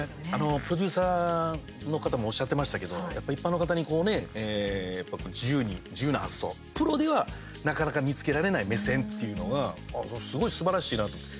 プロデューサーの方もおっしゃってましたけど一般の方にこうね、自由に自由な発想、プロではなかなか見つけられない目線っていうのがすごいすばらしいなと思って。